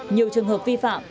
nhiều trường hợp vi phạm